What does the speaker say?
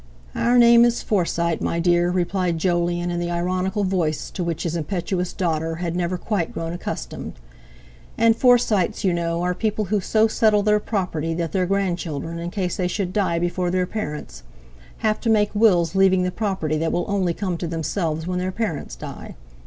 "Our name is Forsyte, my dear," replied Jolyon in the ironical voice to which his impetuous daughter had never quite grown accustomed; "and Forsytes, you know, are people who so settle their property that their grandchildren, in case they should die before their parents, have to make wills leaving the property that will only come to themselves when their parents die.